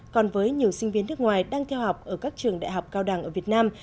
còn với nhiều sinh viên nước ngoài đang theo học ở các trường đại học cao đẳng ở việt nam